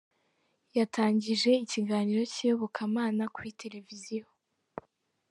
yatangije ikiganiro cy’iyobokamana kuri televiziyo